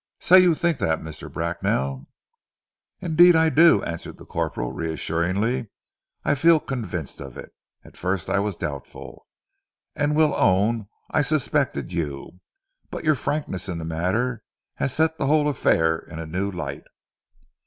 Say you think that, Mr. Bracknell?" "Indeed I do," answered the corporal reassuringly, "I feel convinced of it. At first, I was doubtful, and will own I suspected you. But your frankness in the matter has set the whole affair in a new light."